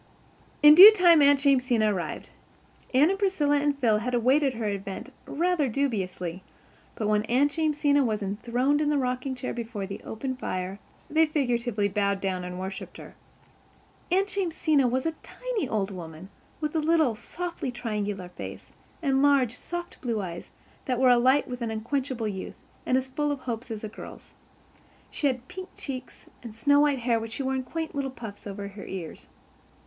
In due time Aunt Jamesina arrived. Anne and Priscilla and Phil had awaited her advent rather dubiously; but when Aunt Jamesina was enthroned in the rocking chair before the open fire they figuratively bowed down and worshipped her. Aunt Jamesina was a tiny old woman with a little, softly triangular face, and large, soft blue eyes that were alight with unquenchable youth, and as full of hopes as a girl's. She had pink cheeks and snow white hair which she wore in quaint little puffs over her ears.